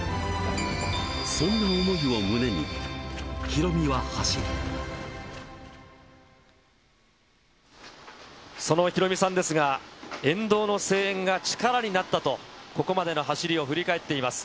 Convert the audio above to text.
そんな思いを胸に、ヒロミはそのヒロミさんですが、沿道の声援が力になったと、ここまでの走りを振り返っています。